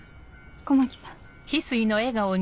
狛木さん。